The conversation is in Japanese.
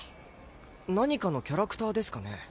何かのキャラクターですかね？